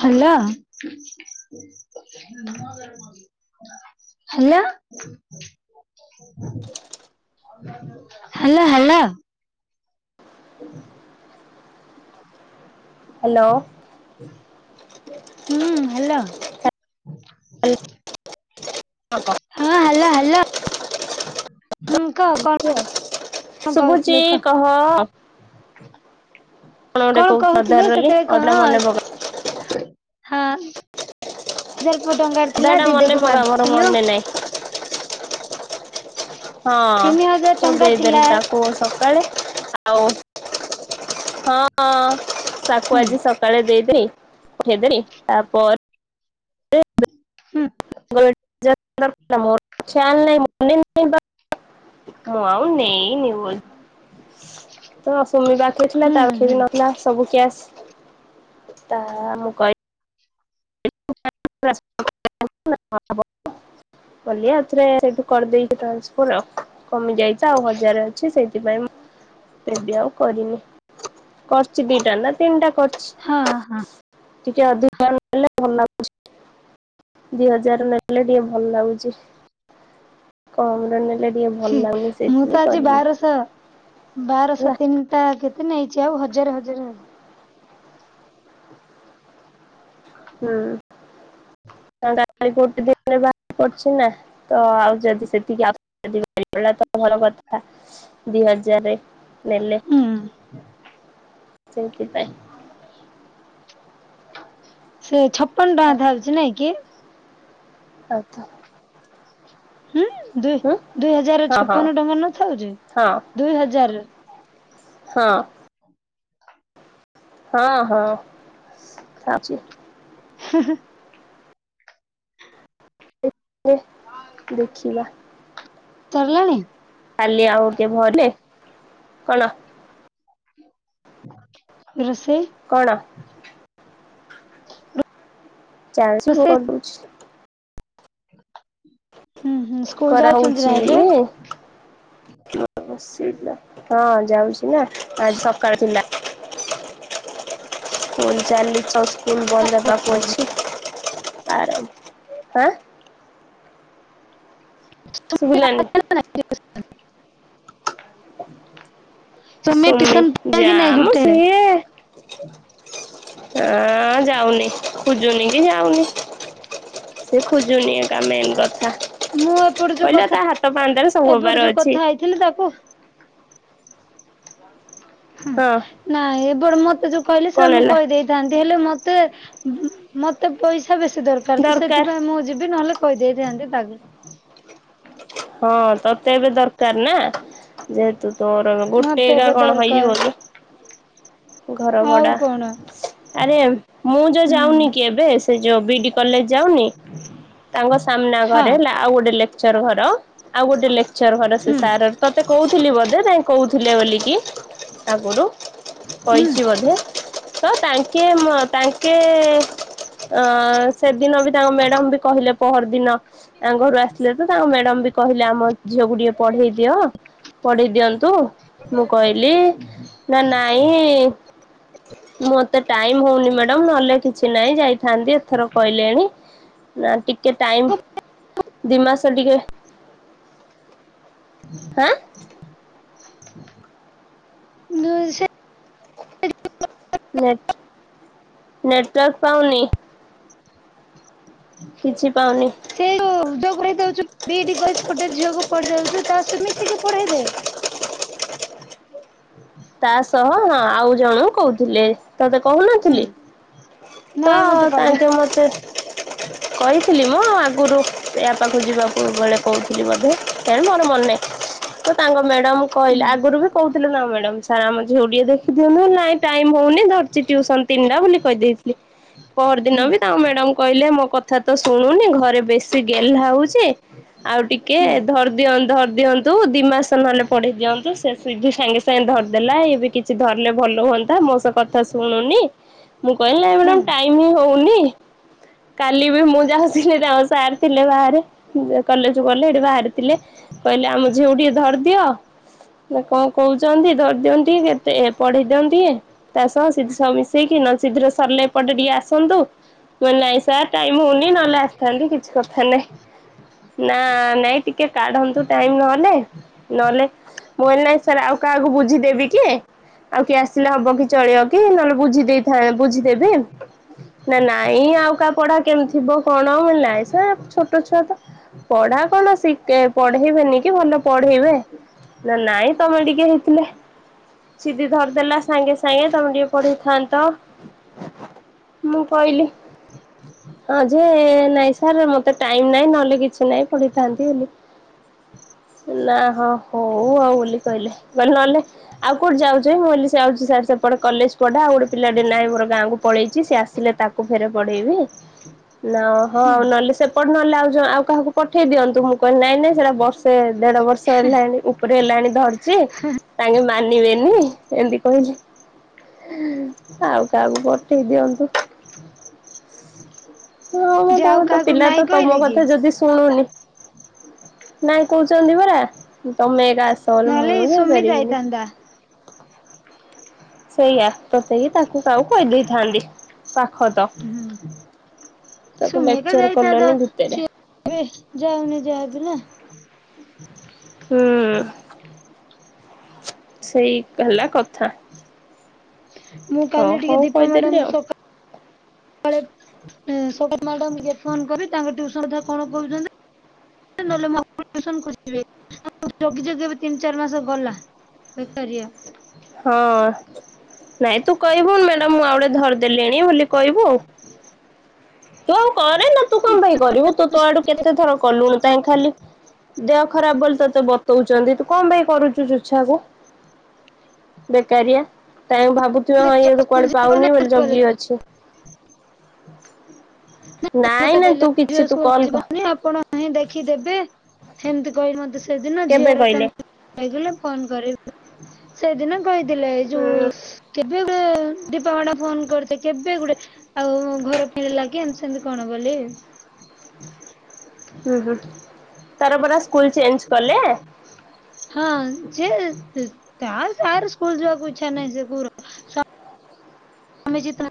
Hello. Hello. Hello hello. [inaudible] Hello. ହୁଁ hello. [inaudible] [unintelligible] ହଁ hello hello. ହୁଁ କଁ କ ଶୁବୁଚି କହ? ଗୋଟେ କଣ କହୁଥିଲ କହୁଥିଲୁ ଅଧାରେ ରହିଲି ସେଥିବେଳେ କହ ଅଧା ମନେ ପକା ହଁ। ଦି ହଜାର ଟଙ୍କାର ଅଧା ଥିଲା ଟା ମନେ ଦିଦିକୁ ପକା ମୋର ମାଗିଥିଲୁ। ମନେ ନାହିଁ ହଁ ତିନି ହଜାର ମୁଁ ଟଙ୍କା ଥିଲା ଦେଇଦେଲି ତାକୁ ସକାଳେ ଆଉ ହଁ ତାକୁ ହୁଁ ଆଜି ସକାଳେ ଦେଇଦ ପଠେଇଦେଲି ତାପ ହୁଁ। [unintelligible] ମୁଁ ଆଉ ନେଇନି ସୁମି ପାଖରେ ଥିଲା ହୁଁ ତାବି ହୁଁ ସେନଥିଲା ସବୁ କ୍ୟାସ୍ ତାମୁଁ କ [unintelligible] [inaudible] କଲି ଆଉଥରେ ସେଇଠୁ କରିଦେଇକି ଟ୍ରାନ୍ସଫର ଆଉ କମି ଯାଇଚି ଆଉ ହଜାରେ ଅଛି ସେଇଥିପାଇଁ ଏବେ ଆଉ କରିନି କରିଚି ଦିଟାନା ତିନିଟା କରଚି। ହଁ ହଁ। ଟିକେ ଅଧକ କଲ୍ କଲେ ଭଲ ଲାଗୁଚି। ଦି ହଜାର ନେଲେ ଟିକେ ଭଲ ଲାଗୁଚି କମରେ ନେଲେ ଟିକେ ଭଲ ହୁଁ ଲାଗୁନି ସେଇଥିପାଇଁ ମୁଁତ ଆଜି କରିନି ବାରଶହ ବାରଶହ ହେଲା ତିନିଟା କେତେ ନେଇଚି ଆଉ ହଜାର ହଜାର ହଜାର ହୁଁ [unintelligible] ଗୋଟେ ଦିନରେ ବା ପଛିନା? ତ ଆଉ ଯଦି ସେତିକି ମିଳିଗଲାତ ଭଲ କଥା ଦି ହଜାରେ ନେଲେ ସେଇଥିପାଇଁ। ସେ ଛପନ ଟଙ୍କା ଧରିଚି ନାଇଁକି। ଆଉ ହୁଁ ଦୁଇ ହୁଁ ଦୁଇ ହଜାର ହଁ ହଁ ଛପନ ଟଙ୍କା ନଥାଉଛି ହଁ ଦୁଇ ହଜାର। ହଁ। ହଁ ହଁ ଖାଉଛି। ହ [inaudible] ଦେଖିବା ଚରିଲାଣି କାଲି ଆଉ ଟିକେ ଭଲେ କଣ ରୋଷେଇ କଣ ରୋଷେଇ [unintelligible] ହୁଁ ହୁଁ ସ୍କୁଲ ଖରା ଯାଉଛନ୍ତି ନା ହଉଛି। ଏବେ? ହଁ ଯାଉଛି ନା ଆଜି ସକାଳେ ଥିଲା। କଣ ଚାଲିଚ ସ୍କୁଲ ବନ୍ଦ ହେବାକୁ ଅଛି ତାର ଆଁ ଶୁଭିଲାନି। [inaudible] ତୁମେ ସୁମି ଟିସନ ପିଲା କି ଯା ନାଇଁ ମ ଗୋଟେ ବେଳେ? ସିଏ। ଆଁ ଯାଉନି ଖୋଜୁନି କି ଯାଉନି। [inaudible] ସେ ଖୋଜୁନି ଏକା ମେନ୍ କଥା। ମୁଁ ଏପଟେ ଯୋଉ କହିଲି ବା ତା ହାତ ପାହାନ୍ତାରେ ସବୁ ହବାର ଅଛି। ହେଲେ ତାକୁ ହଁ ନାଇଁ ଏ ବଡ ମତେ ଯୋଉ କହିଲେ ସେଇଟା କଣ ମୁଁ ହେଲା କହିଦେଇଛି। ଥାନ୍ତି ହେଲେ ମତେ ମତେ ପଇସା ବେଶୀ ଦରକାର ତ ସେଥିପାଇଁ ମୁଁ ଯିବି ନହେଲେ। କହି ଦେଇଥାନ୍ତି ତାକୁ। ହଁ ତତେ ଏବେ ଦରକାର ନା। ଯେହେତୁ ତୋର ମତେ ଗୋଟେଗା ଏବେ କଣ ଦରକାର ହେଇଯିବ କି? ଘର ଆଉ ଭଡ଼ା କଣ ଆରେ ମୁଁ ଯୋଉ ହୁଁ। ଯାଉନି କି ଏବେ ସେ ଯୋଉ ବିଡି କଲେଜ ଯାଉନି। ତାଙ୍କ ସାମ୍ନା ହଁ ଘରେ ହେଲା ଆଉ ଗୋଟେ ଲେ କ୍ଚର ଘର ଆଉ ଗୋଟେ ଲେକ୍ଚର ଘର ସେ ହୁଁ ସାର୍ ତତେ କହୁଥିଲି ବୋଧେ ତା କହୁଥିଲେ ବୋଲିକି ଆଗରୁ ହୁଁ କହିଛି ବୋଧେ ତ ତାଙ୍କେ ମ ତା ଙ୍କେ ଅ ସେଦିନ ବି ତାଙ୍କ ମ୍ୟାଡ଼ାମ ବି କହିଲେ ପହର ଦିନ ତାଙ୍କ ଘରୁ ଆସିଲେ ତ ତାଙ୍କ ମ୍ୟାଡାମ ବି କହିଲେ ଆମ ଝିଅକୁ ଟିକେ ପଢେଇ ଦିଅ ପଢେଇ ଦିଅନ୍ତୁ ମୁଁ କହିଲି ନା ନାଇ ଇ ମତେ ଟାଇମ୍ ହଉନି ମ୍ୟାଡାମ ନହେଲେ କିଛି ନାଇଁ ଯାଇ ଥାନ୍ତି ଏଥର କହିଲେଣି ନା ଟିକେ ଟାଇମ ଦି ମାସ ଟିକେ ହାଁ ଦୁଇ ସେ ନେଟ ନେଟୱର୍କ ପାଉନି। କିଛି [inaudible] ପାଉନି ସେ ଯୋଉ [unintelligible] ତା ସହ ମିସେଇକି ପଢେଇ ଦେ [unintelligible] ତା ସହ ହଁ ଆଉ ଜଣକୁ କହୁଥିଲେ। ତତେ ହୁଁ କହୁନଥିଲି ତ ନାଇଁ ମତେ କହିଲା। ତାଙ୍କେ ମତେ କହିଥିଲି ମ ଆଗରୁ ୟା ପାଖକୁ ଯିବାକୁ। ସବୁବେଳେ କହୁଥିଲି ବୋଧେ କେଜାଣି ମୋର ମନେ ନାହିଁ। ତ ତାଙ୍କ ମ୍ୟାଡାମ କହିଲି ହୁଁ ଆଗରୁ ବି କହୁଥିଲୁ ନା ମ୍ୟାଡାମ। ସ ଆମ ଝିଅକୁ ଟିକେ ଦେଖନ୍ତୁ ନାଇଁ ଟାଇମ୍ ହଉନି ଧରିଛି ଟ୍ୟୁସନ ତିନିଟା ବୋଲି କହିଦେଇଥିଲେ। ପହର ଦିନ ହୁଁ ବି ତାଙ୍କ ମ୍ୟାଡାମ କହିଲେ ମୋ କଥା କଥା ତ ଶୁଣୁନି ଘରେ ବେଶୀ ଗେହ୍ଲା ହଉଛି ଆଉ ଟିକେ ହୁଁ ଧର ଅ ଧରି ଦିଅନ୍ତୁ ଦି ମାସ ନହେଲେ ପଢେଇ ଦିଅନ୍ତୁ ସେତିକି ସାଙ୍ଗେସାଙ୍ଗେ ଧ ଦେଲା ଏବେ କିଛି ଧରିଲେ ଭଲ ହୁଅନ୍ତା। ମୋ କଥା ଶୁଣୁନି ମୁଁ କହିଲି ନାଇଁ ମ୍ୟାଡ଼ାମ ଟାଇମ୍ ହିଁ ହଉନି। କାଲି ବି ମୁଁ [unintelligible] ସାର୍ ଥିଲେ ବାହାରେ କଲେଜ ଗଲେ ଏଠି ବାହାରିଥିଲେ କହିଲେ ଆମ ଝିଅ ଟିକେ ଧରିଦିଅ। ନା କଣ କହୁଛନ୍ତି ଧରିଦିଅନ୍ତ ଟିକେ କେତେ ପଢେଇ ଦିଅନ୍ତି ତା ସହ ସିି ମିଶେଇକି ନ ସିଧରେ ସରିଲେ ଏପଟେ ଟିକେ ଆସନ୍ତୁ। ମୋ ନାଇଁ ସାର୍ ଟାଇମ ହଉନି ନହେଲେ ଆସିଥାନ୍ତି କିଛି କଥା ନାଇଁ ନା ନାଇଁ ଟିକେ କାଢନ୍ତୁ ଟାଇ ନହେଲେ ନହେଲେ ମୁଁ ନାଇ ସାର୍ ଆଉ କାହାକୁ ବୁଝି ଦେବି କି ଆଉ କି ଆସିଲେ ହବ କି ଚଳିବ କି ନହେଲେ ବୁଝି ଦେଇଥା ବୁଝିଦେବି ନା ନାଇଁ ଆଉ କାହା ପଢା କେମିତି ଥିବ କଣ ନାଁ ସେ ଛୋଟ ଛୁଆ ତ ପଢା କଣ ଶ ପଢେଇବେନି କି ଭଲ ପଢେଇବେ ନା ନାଇଁ ତମେ ଟିକେ ହେଇଥିଲେ ସିଧି ଧରିଦେଲା ସାଙ୍ଗେ ସାଙ୍ଗେ ତମେ ଟିକେ ପଢିଥାନ୍ତ ମୁଁ କହିଲି ହଁ ଯେ ନାଇଁ ସାର୍ ମତେ ଟାଇମ ନାଇଁ ନହେଲେ କିଛି ନାଇଁ ପଢିଥାନ୍ତି ବୋଲି ନାହଁ ହଉ ଆଉ ବୋଲି କହିଲେ କହିଲେ ନହେଲେ ଆଉ କୋଉଠି ଯାଉଛ ମୁଁ ସେ ଆଛି ସାର୍ ସେପଟେ କଲେଜ ପଢା ଆଉ ଗୋଟେ ପିଲା ଟେ ନାହିଁ ମୋର ଗାଁକୁ ପଳେଇଛି ସ ଆସିଲେ ତାକୁ ଫେର ପଢେଇବି। ନା ହଁ ହୁଁ ଆଉ ନହେଲେ ସେ ପ ନେଲେ ଆଉ ଆଉ କାହାକୁ ପଠେଇ ଦିଅନ୍ତୁ ମୁଁ କହିଲି ନାଇଁ ନାଇଁ ସେଇଟା ବର୍ଷ ଦେଢ ବର୍ଷ ହେଲାଣି ଉପଟେ ହେଲାଣି ଧରିଚ ତାଙ୍କେ ମାନିବେନି ଏମିତି କହିଲି ଆଉ କାହାକୁ ପଠେଉ ଦିଅନ୍ତୁ। ହଁ ଯେ ତମ ଆଉ ତ କାହାକୁ ପିଲା ନାଇଁ ତ ତମ କହିଲେ କି? କଥା ଯଦି ଶୁଣୁନି ନାଇଁ କହୁଛନ୍ତି ପରା ତମେ ଏକା ଆସବୋଲେ ମୁଁ ନହେଲେ ସୁମି ଯାଇପାରିବିନି। ଯାଇଥାନ୍ତା ସେଇୟା ତ ସେହି ତାକୁ କାହାକୁ କହିଦେଇଥାନ୍ତି ପାଖ ତ ତାକୁ ସୁମେଘା ଲେକ୍ଚର ଯାଇଥାତା କଲନି ଭିତରେ ସିଏ ଏ ଯାଉନି ଯାହାବି ନା ହୁଁ ସେଇ ହେଲା କଥା। ମୁଁ ହଁ କାଲି ଟିକେ ହଉ ଦୀପା କହିଦେଲି ମ୍ୟାଡାମ ଙ୍କୁ ଆଉ ସକା ସତ ମ୍ୟାଡ ଟିକେ ଫୋନ କରି ତାଙ୍କ ଟିଉସନ କଥା କଣ କହୁଛନ୍ତି ନହଲେ ମତେ ଟ୍ୟୁସନ ଖୋଜିବି [unintelligible] ଜଗି ଜଗି ଏବେ ତିନି ଚାରି ମାସ ଗଲା। ବେକାରୀଆ ହଁ ନାଇଁ ତୁ କହିବୁ ମ୍ୟାଡ଼ାମ ମୁଁ ଆଉ ଗୋଟେ ଧରିଦେଲିଣି ବୋଲି କହିବୁ ତୁ କରେ ନା ତୁ ସ୍କୁଲ କଣ ପାଇଁ କରିବୁ ତୁ ତୋ ଆଡୁ କେତେଥର କଲୁଣି କାହିଁ ଖାଲି ଦେହ ଖରାପ ବୋଲି ତତେ ବତଉଛନ୍ତି ତୁ କଣ ପାଇଁ କରୁଛୁ ଚୁଛା କୁ? ବେକାରିଆ ତା ଭାବୁଥିବେ ହଁ ଇଏ କୁଆଡେ ପାଉନି ବୋଲି ଜଗି ଅଛି। ନ ନାଇଁ ମତେ ନାଇଁ ଦେଲା ତୁ କିଛି ତୁ ସ୍କୁଲ କଲ୍ କ ଯିବନି ଆପଣ ନାହିଁ ଦେଖି ଦେବେ ସେମିତି କହି ମତେ ସେଦିନ କେବେ ଝିଅର ଟ କହିଲେ ହେଇଗଲେ ଫୋନ କରିବି ସେଦିନ କହିଥିଲେ ଏଇ ଯୁ ହୁଁ କେବେ ଗୁଡେ ଦୀପା ମାଡାମ ଫୋନ କରିଥୀଲେ କେବେ ଗୁଡେ ଆଉ ଘର ଫିରିଲା କି ଏମିତି ସେମିତି କଣ ବୋଲି ହୁଁ ହୁଁ ତାର ପରା ସ୍କୁଲ ଚେଞ୍ଜ କଲେ? ହଁ ସେ ତା ତାର ସ୍କୁଲ ଯିବାକୁ ଇଚ୍ଛା ନାହିଁ ସେ ପୁଅର ସ ଆମେ ଜିତ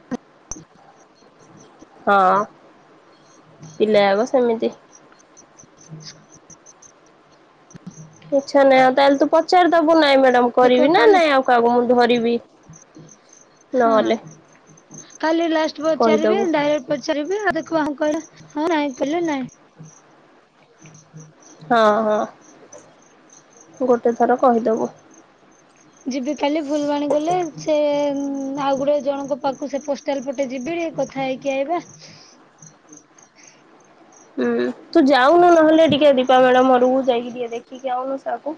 ହଁ ପିଲା ଆଗ ସେମିତି। ଆଚ ଇଛା ନାଇଁ ଆଉ ତାହେଲେ ତୁ ପଚାରି ଦବୁ ନାଇଁ ମ୍ୟାଡ଼ାମ ମୁଁ ଦେଖିବ କରିବି ନା କାଲି ନାଇଁ ଆଉ କାହାକୁ ମୁଁ ଧରିବି ହଁ ନହେଲେ କାଲି ଲାଷ୍ଟ ପଚାରିବେ କହିଦବୁ। ଡାଇରେ ପଚାରିବେ ଆଉ ଦେଖ କୁହ ହଁ ନାଇଁ ପିଲେ ନାଇଁ ହଁ ହଁ ଗୋଟେ ଥର କହିଦବୁ ଯିବି କାଲି ଫୁଲବାଣୀ ଗଲେ ସେ ଆଉ ଗୁଟେ ଜଣଙ୍କ ପାଖକୁ ସେ ପୋ ଷ୍ଟାଲ ପଟେ ଯିବି କଥା ହେଇକି ଆଇବା ହୁଁ ତୁ ଯାଉନୁ ନହେଲେ ଟିକେ ଦୀପା ମ୍ୟାଡ଼ାମ ଘରକୁ ଯାଇକି ଟିକେ ଦେ ଖିକି ଆଉନୁ ସାର୍ କୁ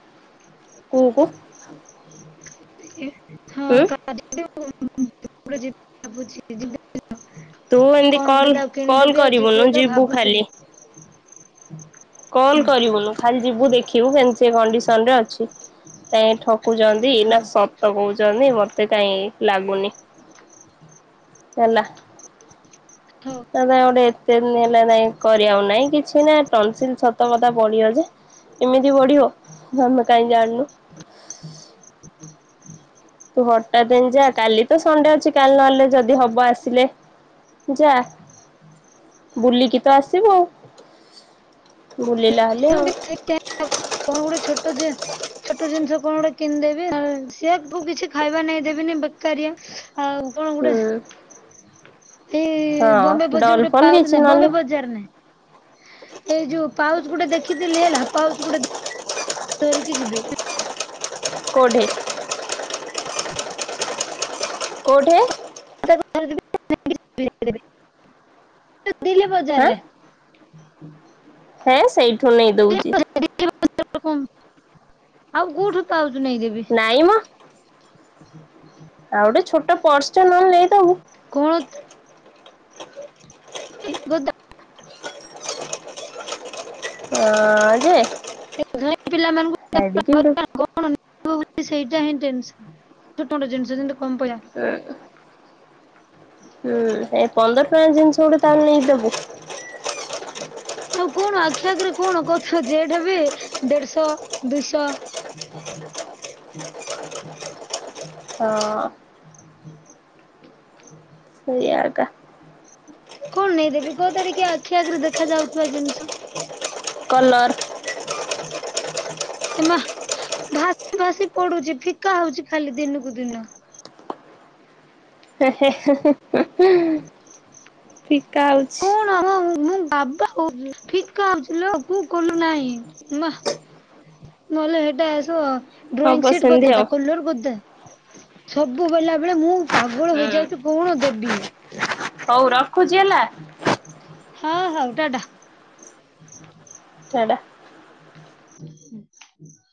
କୁହୁକୁ ଉଁ ବୁଝିକି ଯିବେ ତୁ ଏମିତି କଣ କଲ ଗୋଟେ ତାକୁ କଲ୍ କିଣିଦେବି ଆଉ ଯିବି କରିବୁନୁ ଏକା ଯିବୁ ଭାବୁଥିଲି କଲ ହୁଁ କରିବୁନୁ ଖାଲି ଯିବୁ ଦେଖିବୁ କେମିତି ସେ କଣ୍ଡିସନରେ ଅ ଛି କାଇଁ ଠକୁଛନ୍ତି ନା ହଉ ସତ କହୁଛନ୍ତି ମତେ କାଇଁ ଲାଗୁନି ହେଲା ହଉ ତା ପାଇଁ ଗୋଟେ ଏତେ ଦିନ ହେଲା ନାଇଁ କରିବାକୁ ନାଇଁ କିଛି ନା ଟନସିଲ ସତ କଥା ବଢି ଅଛି [unintelligible] କାଇ ଜାଣିନୁ ତୁ ହଠାତ୍ ଏନା ଯା କାଲି ତ ସଣ୍ଡେ ଅଛି କାଲି ନହେଲେ ଯଦି ହବ ଆସିଲେ ଯା ବୁଲିକି ତ ଆସିବୁ ଆଉ ବୁଲିଲା ହେଲେ ଆଉ କେ କଣ ଗୋଟେ ଛୋଟ ଯେ ଛୋଟ ଜିନିଷ କଣ ଗୋଟେ କିଣିଦେବି ସିଏ ଆକୁ କିଛି ଖାଇବା ନେଇ ଦେବିନି ବେକାରିଆ ଆଉ କଣ ଗୋଟେ ହୁଁ ଏଇ ବମ୍ବେ ହଁ ବଜାର ଡଲ ଗୋଟେ ଫଲ ପାଉ କିଛି ନାଁ ନହେଲେ ବମ୍ବେ ବଜାର ନାଇଁ ଏଇ ଯୋଉ ପାଉଚ ଗୋଟେ ଦେଖିଥିଲି ହେଲା ପାଉଚ ଗୋଟେ ଧରିକି ଯିବି କୋଉଠିି [unintelligible] କୋଉଠେ ନେଇକି ଯିବି ବିଲେ ହାଁ ବଜାରରେ ହୁଁ ହେଁ ସେଇଠୁ ନେଇ ଦଉଛି ବିଲେ ବଜାରରୁ ଆଉ କୋଉଠୁ ପାଉଚ ନେଇ ଯିବି ନାଇଁ ମ। ଆଉ ଗୋଟେ ଛୋଟ ପର୍ସଟେ ନହେଲେ ନେଇଦବୁ କଣ [inaudible] ହଁ ଯେ ଧନୀ ପିଲାମାନଙ୍କୁ ଏଡି କିଏଗୋଡେ କଣ ସେଇଟା ହିଁ ଟେନ୍ସନ [inaudible] ଜିନିଷ ଯେମିତି କମ ପଆ [inaudible] ହୁଁ ଏ ପନ୍ଦର ଟଙ୍କା ଜିନିଷ ଗୁଡେ ତାହେଲେ ନେଇ ଦବୁ? ଆଉ କଣ ଆଖି ଆଗରେ କଣ କଥା ଜେଠ ବି ଦେଡ୍ଶଅ ଦୁଇଶଅ [unintelligible] ହଁ। [unintelligible] ସେଇଆ ଆକା। କଣ ନେଇଦେବି କତ ଟିକେ ଆଖି ଆଗରେ ଦେଖା ଯାଉଥିବା ଜିନିଷ। କଲର [unintelligible] ଏ ମା ଭା ଭାସି ପଡୁଛି ଫିକା ହଉଛି ଖାଲି ଦିନକୁ ଦିନ। ହେ ହେ ହେ ହୁଁ ହୁଁ ହୁଁ। ଫିକା ହଉଛି। ଆଁ ମୁଁ ବାବା ହୋଉଛି ଫିକା ହୋଉଚି ଲୋ କୁ କୋଲୋ ନାଇଁ ମା ନହେଲେ ହେଟା ଅସିବ ହବ ଡ୍ରଇଂସିଟ୍ କରିଦେ ସେମିତି ତା ଆଉ କଲର କରଦେ ସବୁ ବୋଇଲା ବେଳେ ମୁଁ ପାଗଳ ହୁଁ ହେଇଯାଉଚି କଣ ଦେବି? ହଉ ରଖୁଛି ହେଲା ହଁ ହଉ ଟା ଟା। [unintelligible] ଟା ଟା। [unintelligible]